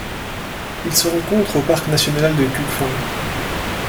Il se rencontre au parc national de Cuc Phuong.